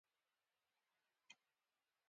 شېرګل او وړانګې ودرېدل.